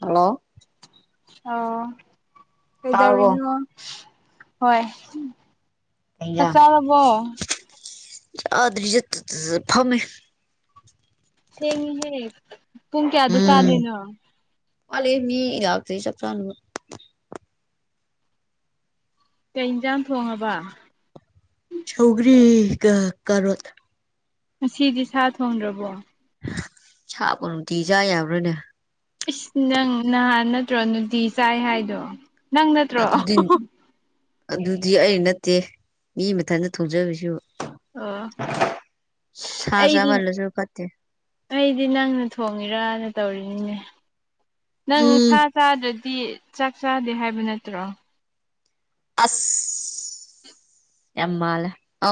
Hello ꯑꯣ ꯇꯥꯔꯕꯣ ꯀꯩꯗꯧꯔꯤꯅ ꯍꯣꯏ ꯑꯩ ꯆꯥꯛ ꯆꯥꯔꯕꯣ ꯑꯗꯁꯨ ꯐꯝꯃꯦ ꯊꯦꯡꯉꯍꯦ ꯄꯨꯡ ꯀꯌꯥꯗ ꯆꯥꯗꯣꯏꯅꯣ ꯑꯜꯦ ꯃꯤ ꯂꯥꯛꯇ ꯆꯠ ꯆ ꯀꯩ ꯌꯦꯟꯖꯥꯡ ꯊꯣꯡꯉꯕ ꯆꯧꯒꯔꯤꯣ ꯉꯁꯤꯗꯤ ꯁꯥ ꯊꯣꯡꯗ꯭ꯔꯕꯣ ꯁꯥꯕ ꯅꯨꯡꯇꯤꯖꯥ ꯌꯥꯕ꯭ꯔꯣꯏꯅꯦ ꯑꯁ ꯅꯪ ꯅꯍꯥꯟ ꯅꯠꯇ꯭ꯔꯣ ꯅꯨꯡꯇꯤ ꯆꯥꯏ ꯍꯥꯏꯗꯣ ꯅꯪ ꯅꯠꯇ꯭ꯔꯣ ꯑꯗꯨꯗꯤ ꯑꯗꯨꯗꯤ ꯑꯩ ꯅꯠꯇꯦ ꯃꯤ ꯃꯊꯟꯇ ꯊꯧꯖꯕꯁꯨ ꯑꯣ ꯑꯩꯗꯤ ꯁꯥꯖꯥꯕꯜꯂꯁꯨꯔ ꯈꯦ ꯑꯩꯗꯤ ꯅꯪꯅ ꯊꯣꯡꯉꯤꯔꯅ ꯇꯧꯔꯤꯅꯤꯅꯦ ꯅꯪ ꯁꯥ ꯎꯝ ꯆꯥꯗ꯭ꯔꯗꯤ ꯆꯥꯛ ꯆꯥꯗꯦ ꯍꯥꯏꯕ ꯅꯠꯇ꯭ꯔꯣ ꯑꯁ ꯌꯥꯝꯃꯂ ꯑ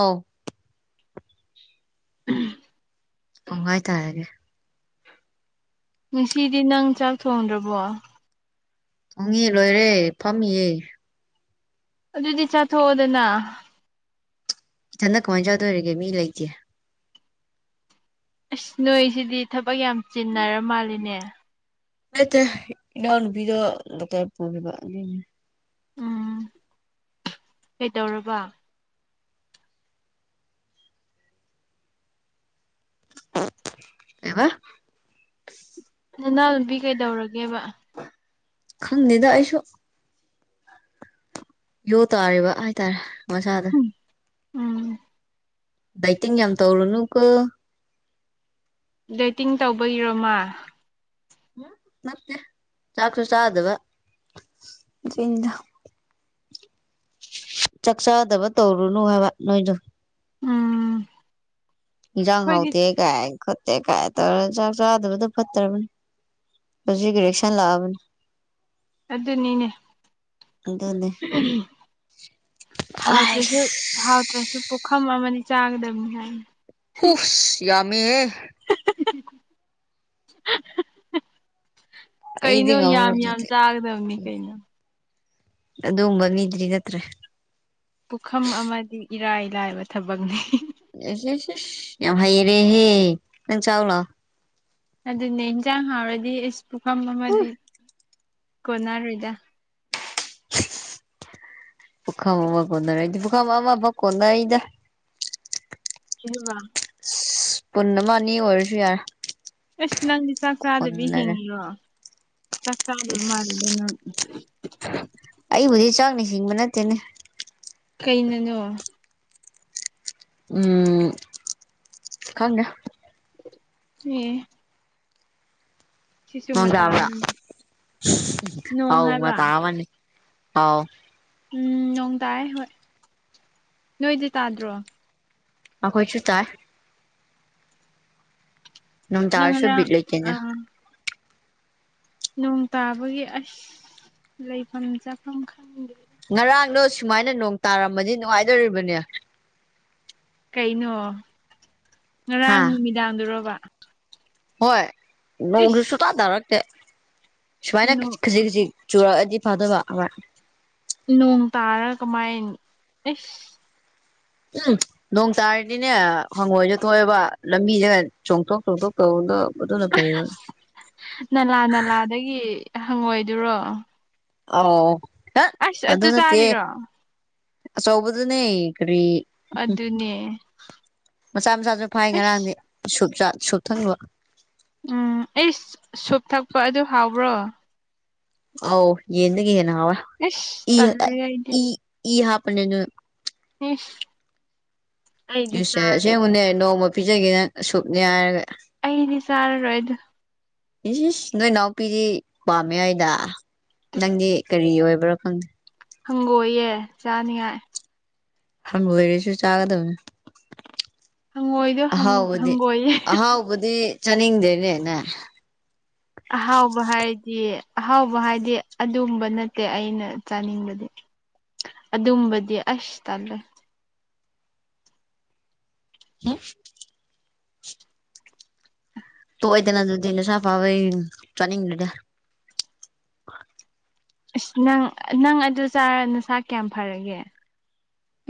ꯎꯥꯏ ꯇꯔꯦ ꯁꯤꯗꯤ ꯅꯪ ꯆꯥꯛ ꯊꯣꯡꯗ꯭ꯔꯕꯣ ꯍꯣꯡꯉ ꯂꯣꯏꯔꯦ ꯐꯝꯃꯤꯌꯦ ꯑꯗꯨꯗꯤ ꯆꯥꯊꯣꯛꯑꯣꯗꯅ ꯏꯊꯟ ꯀꯃꯥꯏꯅ ꯆꯧꯗꯣꯏꯔꯤꯒꯦ ꯃꯤ ꯂꯩꯇꯦ ꯑꯁ ꯅꯣꯏꯁꯤꯗꯤ ꯊꯕꯛ ꯌꯥꯝ ꯆꯤꯟꯅꯔ ꯃꯥꯜꯂꯤꯅꯦ ꯂꯩꯇꯦ ꯏꯅꯥꯎ ꯅꯨꯄꯤꯗꯣ ꯂꯇꯔ ꯄꯨꯒꯤꯕꯥ ꯎꯝ ꯀꯩꯗꯧꯔꯕ꯫ ꯀꯩꯕ꯫ ꯅꯅꯥꯎ ꯅꯨꯨꯕꯤ ꯀꯩꯗꯧꯔꯒꯦꯕ꯫ ꯈꯪꯗꯦꯗ ꯑꯩꯁꯨ꯫ ꯌꯣ ꯇꯥꯔꯤꯕ ꯍꯥꯏꯇꯥꯔꯦ ꯃꯁꯥꯗꯨ꯫ ꯎꯝ ꯎꯝ꯫ ꯗꯥꯏꯇꯤꯡ ꯌꯥꯝ ꯇꯧꯔꯨꯅꯨ ꯀꯣ꯫ ꯗꯥꯏꯇꯤꯡ ꯇꯧꯕꯒꯤꯔꯣꯃꯥ꯫ ꯑꯥ ꯅꯠꯇꯦ ꯆꯥꯛꯁꯨ ꯆꯥꯗꯕ ꯑꯗꯨꯏꯅꯤꯗ꯫ ꯆꯥꯛꯆꯥꯥꯗꯕ ꯇꯧꯔꯨꯅꯨ ꯍꯥꯏꯕ ꯅꯣꯏꯗꯨ꯫ ꯎꯝ꯫ ꯏꯟꯁꯥꯡ ꯑꯩꯈꯣꯏꯗꯤ ꯍꯧꯇꯦꯀꯥꯏ ꯈꯠꯇꯦ ꯀꯥꯏ ꯆꯥꯛ ꯆꯥꯗꯕꯗꯨ ꯐꯠꯇꯔꯕꯅꯤ꯫ ꯍꯧ ꯀ꯭ꯔꯦꯛꯁꯟ ꯂꯥꯛꯑꯕꯅꯤ꯫ ꯑꯗꯨꯅꯤꯅꯦ꯫ ꯏꯁꯁ꯫ ꯍꯥꯎꯗ꯭ꯔꯁꯨ ꯄꯨꯈꯝ ꯑꯃꯗꯤ ꯆꯥꯒꯗꯕꯅꯤ ꯍꯥꯏꯅꯤ꯫ ꯍꯨꯁ ꯌꯥꯝꯃꯦꯍꯦ꯫ [unintelligible] ꯑꯩꯗꯤ ꯀꯩꯅꯣ ꯉꯝꯃꯔꯣꯏ ꯌꯥꯝ ꯌꯥꯝ ꯑꯗꯨꯗꯤ ꯆꯥꯒꯗꯕꯅꯤ ꯀꯩꯅꯣ꯫ ꯑꯗꯨꯒꯨꯝꯕ ꯃꯤꯗꯨꯗꯤ ꯅꯠꯇꯔꯦ꯫ ꯄꯨꯈꯝ ꯑꯃꯗꯤ ꯏꯔꯥꯏ ꯂꯥꯏꯕ ꯊꯕꯛꯅꯤ꯫ ꯏꯁ‌ ꯏꯁ ꯏꯁ ꯌꯥꯝ ꯍꯩꯔꯦꯍꯦ ꯅꯪ ꯆꯥꯎꯂꯥꯎ꯫ ꯑꯗꯨꯅꯦ ꯏꯟꯖꯥꯡ ꯍꯥꯎꯔꯗꯤ ꯏꯁ ꯄꯨꯈꯝ ꯑꯃꯗꯤ ꯀꯣꯟꯅꯔꯣꯏꯗ꯫ ꯄꯨꯈꯝ ꯑꯃꯥ ꯀꯣꯟꯅꯔꫭꯏꯗꯤ ꯄꯨꯈꯝ ꯑꯃꯥ ꯑꯃꯥ ꯕꯥꯎ ꯀꫭꯟꯅꯩꯗ꯫ ꯀꯩꯍꯥꯏꯕ꯫ ꯏꯄꯨꯟꯑꯃ ꯑꯅꯤ ꯑꯣꯏꯔꯁꯨ ꯌꯥꯔꯦ꯫ ꯑꯁ ꯅꯪꯗꯤ ꯆꯥꯛ ꯆꯥꯗꯕꯤ ꯎꯟꯅꯔꯦ ꯍꯤꯡꯉꯤꯔꯣ ꯆꯥꯛ ꯆꯥꯗꯕ ꯏꯁ ꯃꯥꯜꯂꯦꯗ ꯅꯪ꯫ ꯑꯩꯕꯨꯗꯤ ꯆꯥꯛ ꯍꯤꯡꯕ ꯅꯠꯇꯦꯅꯦ꯫ ꯀꯩꯅꯅꯣ꯫ ꯎꯝ ꯈꯪꯗꯦ꯫ ꯑꯦ꯫ ꯁꯤꯁꯨ ꯃꯇꯥ ꯅꯨꯡꯗꯥꯡꯗ ꯑꯃꯅꯤ ꯅꯣꯡ ꯑꯥꯎ ꯍꯥꯏꯕ ꯃꯇꯥꯑꯃꯅꯤ ꯑꯥꯎ꯫ ꯎꯝ ꯅꯣꯡ ꯇꯌꯦ ꯍꯣꯏ ꯅꯣꯏꯗꯤ ꯇꯥꯗ꯭ꯔꯣ꯫ ꯑꯈꯣꯏꯁꯨ ꯇꯥꯏꯌꯦ꯫ ꯅꯪ ꯅꯣꯡꯇꯁꯨ ꯉꯔꯥꯡ ꯑ ꯕꯤꯠꯂꯩꯇꯦꯅ꯫ ꯅꯣꯡ ꯇꯥꯕꯒꯤ ꯑꯁ ꯂꯩꯐꯝ ꯆꯥꯐꯝ ꯈꯪꯗꯦ꯫ ꯉꯔꯥꯡꯗꯣ ꯁꯨꯃꯥꯏꯅ ꯅꯣꯡ ꯇꯥꯔꯝꯃꯗꯤ ꯅꯨꯡꯉꯥꯏꯗꯨꯔꯤꯕꯅꯦ꯫ ꯀꯩꯅꯣ ꯍꯥ ꯉꯔꯥꯡ ꯅꯨꯃꯤꯗꯥꯡꯗꯨꯔꯕ꯫ ꯍꯣꯏ ꯅꯣꯡꯁꯨ ꯏꯁ ꯁꯨꯇꯥ ꯇꯥꯔꯛꯇꯦ ꯁꯨꯃꯥꯏꯅ ꯈꯖꯤꯛ ꯈꯖꯤꯛ꯫ ꯆꯨꯔꯛꯑꯗꯤ ꯐꯗꯧꯕ꯫ ꯅꯣꯡ ꯇꯥꯔ ꯀꯃꯥꯏ ꯑꯦꯁ꯫ ꯎꯝ꯫ ꯅꯣꯡ ꯇꯥꯔꯗꯤꯅꯦ ꯑꯗꯨꯅ ꯐꯩꯌꯦꯕ ꯅꯂꯥ ꯅꯂꯥꯗꯒꯤ ꯍꯪꯉꯣꯏꯗꯨꯔꯣ꯫ ꯑꯧ ꯇꯠ ꯑꯁ ꯑꯗꯨ ꯅꯠꯇꯦ ꯆꯥꯔꯤꯔꯣ ꯑꯆꯧꯕꯗꯨꯅꯦ ꯀꯔꯤ꯫ ꯎꯝ ꯑꯗꯨꯅꯦ ꯃꯆꯥ ꯃꯆꯥꯖꯨ ꯐꯥꯏ ꯉꯔꯥꯡꯗꯤ ꯑꯁ ꯁꯨꯞꯆ ꯁꯨꯨꯞ ꯊꯛꯅꯕ꯫ ꯎꯝ ꯑꯩꯁ ꯁꯨꯞ ꯊꯛꯄ ꯑꯗꯨ ꯍꯥꯎꯕ꯭ꯔꯣ ꯑꯧ ꯌꯦꯟꯗꯒꯤ ꯍꯦꯟꯅ ꯍꯥꯎꯋꯦ ꯏꯁ ꯏ ꯇꯜꯂꯦ ꯑꯩꯗꯤ ꯏ ꯏꯍꯥꯞꯄꯅꯦ ꯑꯗꯨꯅ꯫ ꯑꯩꯁ꯫ ꯏꯁꯦ ꯑꯁꯦꯡꯕꯅꯦ ꯅꯣꯡꯃ ꯄꯤꯖꯒꯦ ꯅꯪ ꯁꯨꯞꯅꯦ ꯍꯥꯏꯔꯒ ꯑꯩꯗꯤ ꯆꯥꯔꯔꫭꯏ ꯑꯩꯗꯨ ꯏꯁ ꯏꯁ ꯅꯣꯏ ꯅꯥꯎꯄꯤꯗꯤ ꯄꯥꯝꯃꯦ ꯍꯥꯏꯗ ꯅꯪꯗꯤ ꯀꯔꯤ ꯑꯣꯏꯕ꯭ꯔ ꯈꯪꯗꯦ ꯍꯪꯒꯣꯏꯌꯦ ꯆꯥꯅꯤꯉꯥꯏ ꯍꯪꯒꯣꯏꯔꯁꯨ ꯆꯥꯒꯗꯕꯅꯦ ꯍꯪꯉꯣꯏꯗꯣ ꯑꯍꯥꯎꯕꯗꯤ ꯍꯪꯒꯣꯏꯌꯦ ꯑꯍꯥꯎꯕꯗꯤ ꯆꯥꯅꯤꯡꯗꯦꯅꯦ ꯅꯦ ꯑꯍꯥꯎꯕ ꯍꯥꯏꯔꯗꯤ ꯑꯍꯥꯎꯕ ꯍꯥꯏꯗꯤ ꯑꯗꯨꯝꯕ ꯅꯠꯇꯦ ꯑꯩꯅ ꯆꯥꯅꯤꯡꯕꯗꯤ [inaudible] ꯑꯗꯨꯝꯕꯗꯤ ꯑꯁ ꯇꯜꯂꯦ [unintelligible] ꯇꯣꯛꯑꯦꯗꯅ ꯑꯗꯨꯗꯤ ꯅꯁꯥ ꯐꯥꯎꯋꯦꯡ ꯆꯥꯅꯤꯡꯗ꯭ꯔꯗꯤ ꯑꯁ ꯅꯪ ꯅꯪ ꯑꯗꯨ ꯆꯥꯔ ꯅꯁꯥ ꯀꯌꯥꯝ ꯐꯔꯒꯦ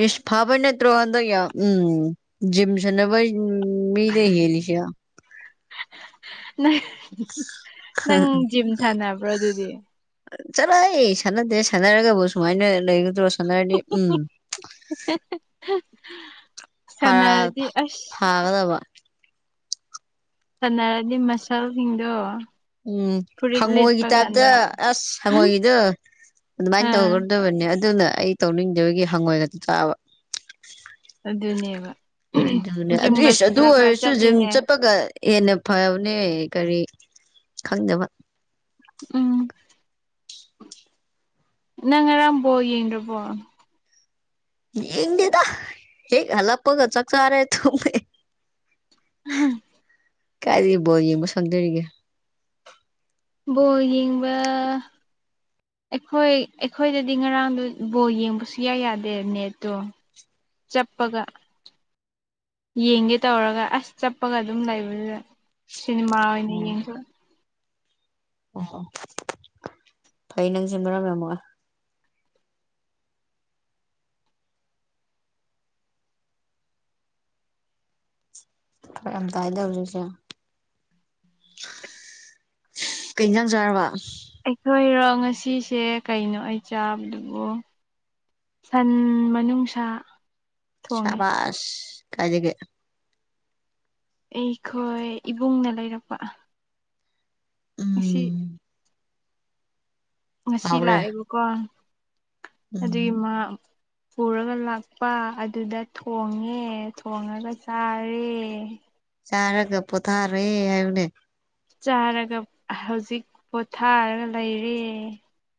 ꯏꯁ ꯐꯕꯩ ꯅꯠꯇꯔꯣ ꯍꯟꯗꯛ ꯌꯥꯝ ꯎꯝ ꯖꯤꯝ ꯁꯥꯟꯅꯕꯩ ꯃꯤꯗꯩ ꯌꯦꯜꯂꯤꯁꯩ ꯅꯪ ꯅꯪ ꯖꯤꯝ ꯁꯥꯟꯅꯕ꯭ꯔꯣ ꯑꯗꯨꯗꯤ ꯆꯠꯂꯣꯍꯩ ꯁꯥꯟꯅꯗꯦ ꯁꯥꯟꯅꯔꯒꯕꯨ ꯁꯨꯃꯥꯏꯅ ꯂꯩꯒꯗ꯭ꯔꯣ ꯁꯥꯟꯅꯔꯗꯤ ꯎꯝ [unintelligible] ꯐꯥꯔꯥꯜ ꯁꯥꯟꯅꯔꯗꯤ ꯐꯥ ꯑꯁ ꯐꯥꯒꯗꯕ ꯁꯥꯟꯅꯔꯗꯤ ꯃꯁꯜꯁꯤꯡꯗꯣ ꯎꯝ ꯐꯨꯔꯤꯠ ꯍꯪꯉꯣꯏꯒꯤ ꯂꯤꯠꯄ ꯇꯥꯏꯞꯇ ꯀꯥꯟꯗ ꯑꯁ ꯍꯪꯉꯣꯏꯒꯤꯗꯨ ꯑꯗꯨꯃꯥꯏꯅ ꯑꯥ ꯇꯧꯒꯔꯗꯕꯅꯤ ꯑꯗꯨꯅ ꯑꯩ ꯇꯧꯅꯤꯡꯗꯕꯒꯤ ꯍꯪꯉꯣꯏꯒꯗ ꯆꯥꯕ ꯑꯗꯨꯅꯦꯕ ꯑꯗꯨꯅꯦ ꯖꯤꯝꯒ ꯏꯁ ꯑꯗꯨ ꯈꯔ ꯈꯔ ꯑꯣꯏꯔꯁꯨ ꯖꯤꯝ ꯆꯠꯂꯤꯅꯦ ꯆꯠꯄꯒ ꯍꯦꯟꯅ ꯐꯕꯅꯦ ꯀꯔꯤ ꯈꯪꯗꯕ ꯎꯝ ꯅꯪ ꯉꯔꯥꯡ ꯕꫭꯜ ꯌꯦꯡꯗ꯭ꯔꯕꯣ ꯌꯦꯡꯗꯦꯗ ꯍꯦꯛ ꯍꯜꯂꯛꯄꯒ ꯆꯥꯛ ꯆꯥꯔꯦ ꯇꯨꯝꯃꯦ [unintelligible] ꯀꯥꯏꯗꯒꯤ ꯕꫭꯜ ꯌꯦꯡꯕ ꯁꯪꯗꯧꯔꯤꯒꯦ ꯕꯣꯜ ꯌꯦꯡꯕ ꯑꯩꯈꯣꯏ ꯑꯩꯈꯣꯏꯗꯗꯤ ꯉꯔꯥꯡꯗꯨ ꯕꯣꯜ ꯌꯦꯡꯕ ꯁꯨꯛꯌꯥ ꯌꯥꯗꯦ ꯅꯦꯠꯇꯣ [inaudible] ꯆꯞꯄꯒ ꯌꯦꯡꯒꯦ ꯇꯧꯔꯒ ꯑꯁ ꯆꯞꯄꯒ ꯑꯗꯨꯝ ꯂꯩꯕꯗꯨꯗ ꯁꯤꯅꯤꯃꯥ ꯑꯣꯏꯅ ꯌꯦꯡꯊꯣꯛꯑꯦ ꯑꯣ ꯑꯣ ꯐꯩ ꯅꯪꯁꯦ ꯃꯔꯝ ꯌꯥꯝ ꯃꯣꯛꯑꯦ ꯐꯔꯛ ꯌꯥꯝ ꯇꯥꯏ ꯗꯧꯔꯤꯁꯦ ꯀꯩꯖꯥꯡ ꯆꯥꯔꯕ ꯑꯩꯈꯣꯏꯔꯣ ꯉꯁꯤꯁꯦ ꯀꯩꯅꯣ ꯑꯩ ꯆꯥꯕꯗꯨꯕꯨ ꯁꯟ ꯃꯅꯨꯡꯁꯥ ꯊꯣꯡꯉꯦ ꯆꯥꯕꯥꯁ ꯀꯥꯏꯗꯒꯤ ꯑꯩꯈꯣꯏ ꯏꯕꯨꯡꯅ ꯂꯩꯔꯛꯄ ꯏꯁꯤ ꯎꯝ ꯉꯁꯤ ꯍꯥꯎꯔꯦ ꯂꯥꯛꯑꯦꯕꯀꯣ ꯑꯗꯨꯒꯤ ꯎꯝ ꯃꯥ ꯄꯨꯔꯒ ꯂꯥꯛꯄ ꯑꯗꯨꯗ ꯊꯣꯡꯉꯦ ꯊꯣꯡꯉꯒ ꯆꯥꯔꯦ ꯆꯥꯔꯒ ꯄꯣꯊꯥꯔꯦ ꯍꯥꯏꯌꯨꯅꯦ ꯆꯥꯔꯒ ꯍꯧꯖꯤꯛ ꯄꯣꯊꯥꯔꯒ ꯂꯩꯔꯦ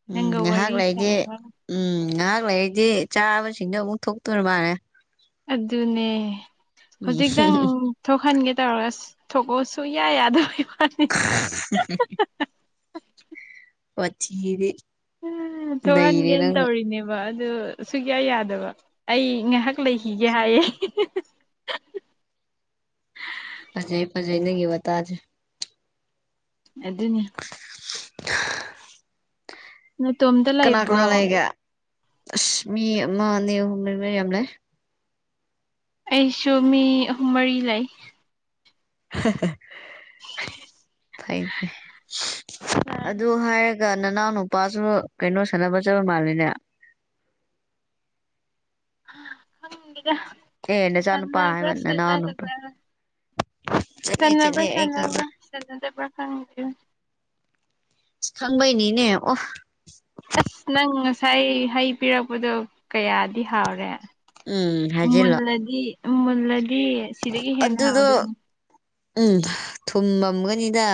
ꯎꯝ ꯅꯪꯒ ꯉꯥꯏꯍꯥꯛ ꯋꯥꯔꯤ ꯂꯩꯗꯤ ꯁꯥꯟꯅꯔꯒ ꯎꯝ ꯉꯥꯍꯥꯛ ꯂꯩꯔꯗꯤ ꯆꯥꯕꯁꯤꯡꯗꯣ ꯑꯃꯨꯛ ꯊꯣꯛꯇꯣꯔꯥ ꯃꯥꯜꯂꯦ ꯑꯗꯨꯅꯦ ꯎꯝ ꯍꯧꯖꯤꯛꯇꯪ ꯊꯣꯛꯍꯟꯒꯦ ꯇꯧꯔꯒ ꯊꯣꯛꯂꯎꯑꯣꯁꯨ ꯌꯥꯏ ꯌꯥꯗꯒꯤ ꯋꯥꯅꯤ [unintelligible] ꯋꯥꯊꯤꯗꯤ ꯎꯝ ꯅꯩꯔꯦ ꯊꯣꯛꯍꯟꯒꯦꯅ ꯅꯪꯅ ꯇꯧꯔꯤꯅꯦꯕ ꯑꯗꯨ ꯁꯨꯨꯡꯌꯥ ꯌꯥꯗꯕ ꯑꯩ ꯉꯥꯏꯍꯥꯛ ꯂꯩꯈꯤꯒꯦ ꯍꯥꯏꯌꯦ ꯐꯖꯩ ꯐꯖꯩ ꯅꯪꯒꯤ ꯋꯥꯇꯥꯖꯦ ꯑꯗꯨꯅꯤ [unintelligible] ꯅꯇꯣꯝꯗ ꯀꯅꯥ ꯀꯅꯥ ꯂꯩꯒꯦ ꯑꯁ ꯃꯤ ꯑꯃ ꯑꯅꯤ ꯑꯍꯨꯝ ꯃꯌꯥꯝ ꯂꯩ ꯑꯩꯁꯨ ꯃꯤ ꯑꯍꯨꯝ ꯃꯔꯤ ꯂꯩ ꯐꯩ ꯐꯩ ꯑꯗꯨ ꯍꯥꯏꯔꯒ ꯑꯩꯒ ꯅꯅꯥꯎ ꯅꯨꯄꯥꯁꯨ ꯀꯩꯅꯣ ꯁꯥꯟꯅꯕꯖꯕ ꯃꯥꯜꯂꯦꯅꯦ [unintelligible] ꯑꯦ ꯅꯆꯥ ꯅꯨꯄꯥ ꯍꯥꯏꯕ ꯁꯥꯟꯅꯕ꯭ꯔ ꯁꯅ ꯅꯅꯥꯎ ꯅꯨꯄꯥ ꯑꯗꯨꯕ꯭ꯔꯥ ꯆꯠꯂꯦ ꯆꯠꯂꯦ ꯁꯥꯟꯅꯕ꯭ꯔ ꯑꯩ ꯈꯪꯉꯦ ꯁꯥꯟꯅꯕ꯭ꯔꯥ [unintelligible] ꯈꯪꯕꯩꯅꯤꯅꯦ ꯑꯣ ꯑꯁ ꯅꯪ ꯉꯁꯥꯏ ꯍꯩ ꯄꯤꯔꯛꯄꯗꯣ ꯀꯌꯥꯗꯤ ꯍꯥꯎꯔꯦ ꯎꯝ ꯍꯥꯏꯖꯤꯜꯂꯣ ꯃꯨꯜꯂꯗꯤ ꯃꯨꯝꯂꯗꯤ ꯑꯗꯨꯗꯣ ꯎꯝ ꯊꯨꯝꯃꯝꯒꯅꯤꯗ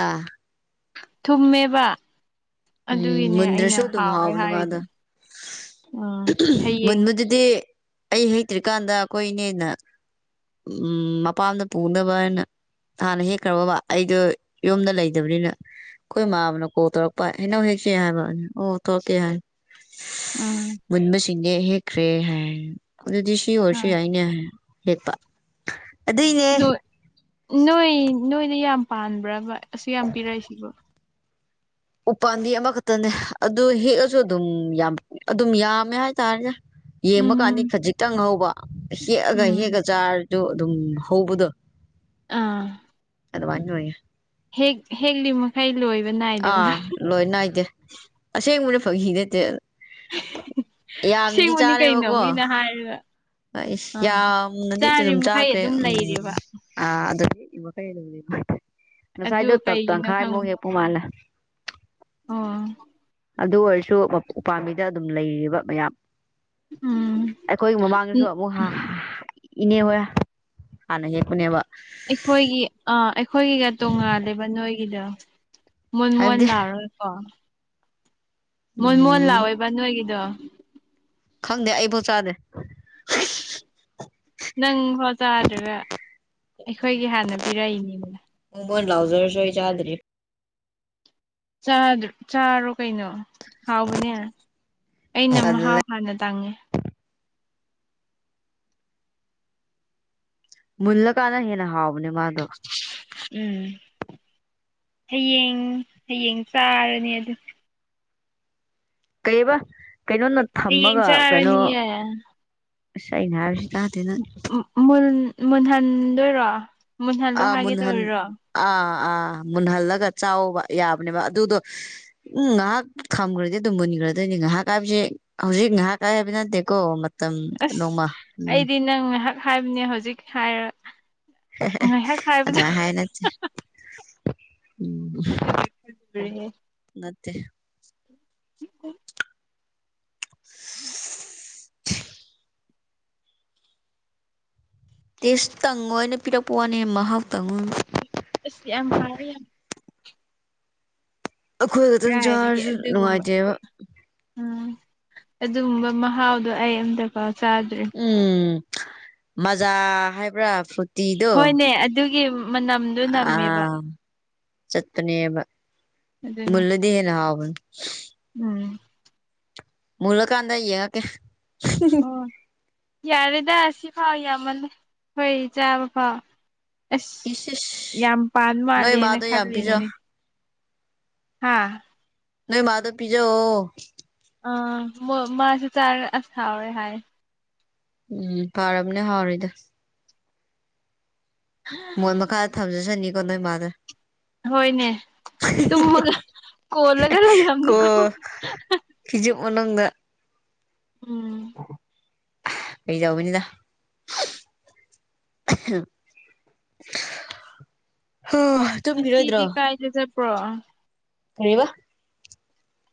ꯊꯨꯝꯃꯦꯕ ꯎꯝ ꯑꯗꯨꯒꯤꯅꯦ ꯑꯩꯅ ꯃꯨꯟꯗ꯭ꯔꯁꯨ ꯗꯨꯝ ꯍꯥꯎꯔꯦ ꯍꯥꯥꯎꯕꯅ ꯍꯥꯏꯔꯤꯗꯣ ꯃꯥꯗ ꯎꯝ ꯍꯌꯦꯡ ꯃꯨꯟꯕꯗꯨꯗꯤ ꯑꯩ ꯍꯩꯇ꯭ꯔꯤꯀꯥꯟꯗ ꯑꯩꯈꯣꯏꯅꯦꯅ ꯎꯝ ꯃꯄꯥꯝꯗ ꯄꯨꯅꯕ ꯍꯥꯏꯅ ꯍꯥꯟꯅ ꯍꯦꯛꯈ꯭ꯔꯕꯕ ꯑꯩꯗꯣ ꯌꯨꯝꯗ ꯂꯩꯇꯕꯅꯤꯅ ꯑꯩꯈꯣꯏ ꯏ ꯃꯥꯕꯅ ꯀꯣꯛ ꯇꯧꯔꯛꯄ ꯍꯩꯅꯧ ꯍꯦꯛꯁꯦ ꯍꯥꯏꯕ ꯑꯣ ꯊꯣꯛꯀꯦ ꯍꯥꯏ ꯎꯝ ꯃꯨꯟꯕꯁꯤꯡꯅꯦ ꯍꯦꯛꯈ꯭ꯔꯦ ꯍꯥꯏ ꯑꯗꯨꯗꯤ ꯁꯤ ꯑꯣꯏꯔꯁꯨ ꯌꯥꯏꯅꯦ ꯍꯥꯏ ꯍꯦꯄ ꯑꯗꯨꯏꯅꯦ ꯅꯣꯏ ꯅꯣꯏ ꯅꯣꯏꯗ ꯌꯥꯝ ꯄꯥꯟꯕ꯭ꯔꯕ ꯑꯁꯨ ꯌꯥꯝ ꯄꯤꯔꯛꯏꯁꯤꯕꯣ ꯎꯄꯥꯥꯟꯗꯤ ꯑꯃꯈꯛꯇꯅꯦ ꯑꯗꯨ ꯍꯦꯛꯑꯁꯨ ꯑꯗꯨꯝ ꯌꯥꯝ ꯑꯗꯨꯝ ꯌꯥꯝꯃꯦ ꯍꯥꯏꯇꯥꯔꯦꯅꯦ ꯌꯦꯡꯕ ꯀꯥꯟꯗꯤ ꯎꯝ ꯈꯖꯤꯛꯇꯪ ꯍꯧꯕ ꯍꯦꯛꯑꯒ ꯍꯦꯛꯑ ꯎꯝ ꯆꯥꯔꯗꯨ ꯑꯗꯨꯝ ꯍꯧꯕꯗꯣ ꯑꯥ ꯑꯗꯃꯥꯢ [unintelligible] ꯍꯦꯛ ꯍꯦꯛꯂꯤ ꯃꯈꯩ ꯂꯣꯏꯕ ꯅꯥꯏꯗꯕꯅ ꯑꯥ ꯂꯣꯏ ꯅꯥꯏꯗꯦ ꯑꯁꯦꯡꯕꯅ ꯐꯥꯒꯤ ꯅꯠꯇꯦ ꯌꯥꯝꯅꯗꯤ ꯑꯁꯦꯡꯕꯅꯤ ꯀꯩꯅꯣ ꯆꯥꯔꯦꯕꯀꯣ ꯃꯤꯅ ꯍꯥꯏꯔꯒ ꯑꯩ ꯑꯥ ꯌꯥꯝꯅꯗꯤꯗꯤ ꯆꯥꯔꯤ ꯑꯗꯨꯝ ꯃꯈꯩ ꯆꯥꯛꯈ꯭ꯔꯦ ꯑꯗꯨꯝ ꯎꯝ ꯂꯩꯔꯦꯕ ꯑꯥ ꯑꯗꯨ ꯑꯗꯨ ꯉꯁꯥꯏꯗꯣ ꯇ ꯀꯩꯒꯤꯅꯣ ꯇꯪꯈꯥꯏꯃꯨꯛ ꯈꯪꯕ ꯍꯦꯛꯄꯨ ꯃꯥꯜꯂ ꯑꯣ ꯑꯗꯨ ꯑꯣꯏꯔꯁꯨ ꯎꯄꯥꯝꯕꯤꯗ ꯑꯗꯨꯝ ꯂꯩꯔꯤꯕ ꯃꯌꯥꯝ ꯎꯝ ꯑꯩꯈꯣꯏ ꯃꯃꯥꯡꯗꯁꯨ ꯑꯃꯨꯛ ꯏꯅꯦ ꯍꯣꯏ ꯍꯥꯟꯅ ꯍꯦꯛꯄꯅꯦꯕ ꯑꯩꯈꯣꯏꯒꯤ ꯑꯥ ꯑꯩꯈꯣꯏꯒꯤꯒ ꯇꯣꯉꯥꯂꯦꯕ ꯅꯣꯏꯒꯤꯗꯣ ꯃꯣꯟ ꯃꯣꯟ ꯍꯥꯏꯕꯗꯤ ꯂꯥꯎꯔꯣꯏ ꯑ ꯃꯣꯟ ꯃꯣꯟ ꯎꯝ ꯂꯥꯎꯋꯦꯕ ꯅꯣꯏꯒꯤꯗꯣ ꯈꯪꯗꯦ ꯑꯩꯕꯥꯎ ꯆꯥꯗꯦ ꯑꯁ ꯅꯪ ꯍꯖꯥꯗꯨꯒ ꯑꯩꯈꯣꯏꯒꯤ ꯍꯥꯟꯅ ꯄꯤꯔꯛꯏꯅꯦꯕꯅ ꯃꯣꯟ ꯂꯥꯎꯖꯔꯁꯨ ꯑꯩ ꯆꯥꯗ꯭ꯔꯤꯕ ꯆꯥꯔꯣ ꯀꯩꯅꯣ ꯍꯥꯎꯕꯅꯦ ꯑꯩꯅ ꯍꯥꯎ ꯇꯜꯂꯦ ꯍꯥꯟꯅ ꯇꯥꯡꯉꯦ ꯃꯨꯜꯂ ꯀꯥꯟꯅ ꯍꯟꯅ ꯍꯥꯎꯕꯅꯤ ꯃꯥ ꯑꯗꯨ ꯎꯝ ꯍꯌꯦꯡ ꯍꯌꯦꯡ ꯆꯥꯔꯅꯤ ꯑꯗꯨ ꯀꯩꯕ ꯀꯩꯅꯣꯅ ꯍꯌꯦꯡ ꯊꯝꯃꯒ ꯀꯩꯅꯣ ꯆꯥꯔꯅꯤꯌꯦ ꯑꯁ ꯑꯩꯅ ꯍꯥꯏꯕꯁꯤ ꯇꯥꯗꯦꯅ [unintelligible] ꯃꯨꯟꯍꯟꯗꯣꯏꯔꯣ ꯃꯨꯟꯍꯜꯂꯣ ꯑꯥ ꯍꯥꯏꯒꯦ ꯃꯨꯟꯍꯟ ꯇꯧꯔꯤꯔꯣ ꯑꯥ ꯑꯥ ꯃꯨꯟꯍꯜꯂꯒ ꯆꯥꯎꯕ ꯌꯥꯕꯅꯦꯕ ꯑꯗꯨꯗꯣ ꯎꯝ ꯉꯥꯏꯍꯥꯛ ꯈꯝꯈ꯭ꯔꯗꯤ ꯑꯗꯨꯝ ꯃꯨꯟꯈ꯭ꯔꯗꯣꯏꯅꯤ ꯉꯥꯏꯍꯥꯛ ꯍꯥꯏꯕꯁꯦ ꯍꯧꯖꯤꯛ ꯉꯥꯏꯍꯥꯛ ꯀꯥꯏ ꯍꯥꯏꯕꯅ ꯗꯀꯣ ꯑꯁ ꯑꯩꯗꯤ ꯅꯪ ꯉꯥꯏꯍꯥꯛ ꯍꯥꯏꯕꯅꯦ ꯍꯧꯖꯤꯛ ꯍꯥꯏꯔ ꯉꯥꯏꯍꯥꯛ ꯍꯥꯏꯕꯗ [unintelligible] ꯎꯝ ꯑꯗꯨꯒ ꯈꯜꯂꯨꯔꯦ ꯅꯠꯇꯦ [unintelligible] ꯇꯦꯁꯇꯪꯉ ꯑꯣꯏꯅ ꯄꯤꯔꯛꯄ ꯋꯥꯅꯦ ꯃꯍꯥꯎꯇꯪꯉ ꯑꯁ ꯌꯥꯝ ꯍꯥꯎꯦ ꯌꯥꯝ ꯑꯩꯈꯣꯏ ꯈꯛꯇꯪ ꯀꯥꯏꯗꯒꯤ ꯆꯥꯔꯁꯨ ꯑꯗꯨꯒꯨꯝꯕ ꯅꯨꯡꯉꯥꯏꯇꯦꯕ꯫ ꯎꯝ ꯑꯗꯨꯒꯨꯝꯕ ꯃꯍꯥꯎꯗꯣ ꯑꯩ ꯑꯝꯇ ꯄꯥꯛ ꯆꯥꯗ꯭ꯔꯤ꯫ ꯎꯝ ꯃꯖꯥ ꯍꯥꯏꯕ꯭ꯔꯥ ꯐꯔꯨ꯫ ꯍꯣꯏꯅꯦ ꯑꯗꯨꯒꯤ꯫ ꯃꯅꯝꯗꯣ ꯅꯝꯃꯦꯕ ꯑꯥ ꯆꯠꯀꯅꯦꯕ ꯑꯗꯨꯅꯦ ꯃꯨꯜꯂ꯫ ꯅ ꯍꯥꯎꯕꯟ꯫ ꯎꯝ꯫ ꯃꯨꯔꯀꯟꯗ ꯌꯦꯡꯉꯛꯀꯦ꯫ ꯑꯣ ꯌꯥꯔꯦꯗ ꯑꯁꯤꯐꯥꯎ ꯌꯥꯝꯃꯜꯂꯦ ꯍꯣꯏ ꯆꯥꯕ ꯐꯥꯎ꯫ ꯑꯁ ꯏꯁ ꯏꯁ ꯌꯥꯝ ꯄꯥꯟ ꯅꯣꯏ ꯃꯥꯜꯂꯦꯅ ꯃꯥꯗꯣ ꯌꯥꯝ ꯄꯤꯖꯧ ꯈꯜꯂꯤꯅꯤꯅꯦ꯫ ꯍꯥꯥ ꯅꯣꯏ ꯃꯥꯗ ꯄꯤꯖꯧ ꯑꯥ ꯃꯥꯁꯨ ꯆꯥꯔ ꯑꯁ ꯍꯥꯎꯋꯦ ꯍꯥꯏ ꯎꯝ ꯐꯥꯔꯝꯅꯦ ꯍꯥꯎꯔꯤꯗꫭ [unintelligible] ꯃꯣꯏ ꯃꯈꯥꯗ ꯊꯝꯖꯁꯅꯤꯀꯣ ꯅꯣꯏ ꯃꯥꯗ ꯍꯣꯏꯅꯦ ꯇꯨꯝꯃꯒ ꯀꯣꯜꯂꯒ ꯂꯩꯔꯝꯅꯤꯀꯣ ꯍꯖꯨ ꯃꯅꯪꯗ ꯎꯝ [unintelligible] ꯑꯩꯖꯎꯅꯤꯗ ꯍꯥ꯫ ꯇꯨꯝꯈꯤꯔꯣꯏꯗ꯭ꯔꯣ ꯉꯁꯤꯗꯤ ꯀꯥꯏꯗ ꯆꯠꯄꯔꯣ꯫ ꯀꯔꯤꯕ꯫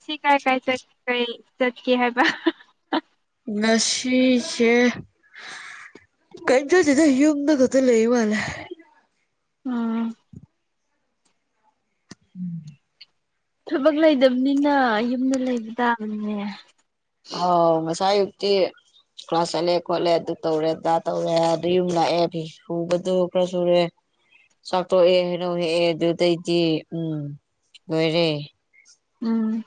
ꯁꯤ ꯀꯥꯏ ꯀꯥꯏ ꯆꯠꯀꯩ ꯆꯠꯀꯦ ꯍꯥꯏꯕ꯫ ꯉꯁꯤꯁꯦ꯫ ꯀꯩꯝ ꯆꯠꯇꯦꯗ ꯌꯨꯝꯗ ꯈꯛꯇ ꯂꯩꯕ ꯃꯥꯜꯂꯦ꯫ ꯎꯝ꯫ ꯎꯝ ꯊꯕꯛ ꯂꯩꯗꯕꯅꯤꯅ ꯌꯨꯝꯗ ꯂꯩꯕ ꯇꯥꯕꯅꯤꯅꯦ꯫ ꯑꯧꯎ ꯉꯥꯁꯥꯏꯑꯌꯨꯛꯇꯤ꯫ ꯀ꯭ꯂꯥꯁ ꯆꯠꯂꯦ ꯈꯣꯠꯂꯦ ꯑꯗꯨ ꯇꯧꯔꯦ ꯗꯥ ꯇꯧꯔꯦ ꯑꯗꯨ ꯌꯨꯝ ꯂꯥꯛꯑꯦ ꯐꯤ ꯁꯨꯕꯗꯨ ꯈꯔ ꯁꯨꯔꯦ꯫ ꯆꯥꯛ ꯇꯣꯛꯌꯦ ꯍꯩꯅꯧ ꯍꯦꯀꯌꯦ ꯑꯗꯨꯗꯩꯗꯤ ꯎꯝ ꯑꯣꯏꯔꯦ꯫ ꯎꯝ꯫